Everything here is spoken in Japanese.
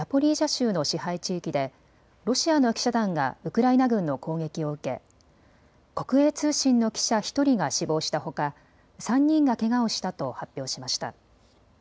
州の支配地域でロシアの記者団がウクライナ軍の攻撃を受け国営通信の記者１人が死亡したほか、３人がけがをしたと発表しました。